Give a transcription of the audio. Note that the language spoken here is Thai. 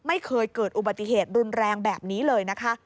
ไม่เคยเกิดอุบัติเหตุรุนแรงแบบนี้เลยนะคะ